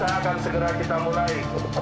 akan segera kita mulai